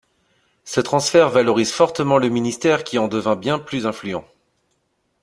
Ce transfert valorise fortement le ministère qui en devint bien plus influent.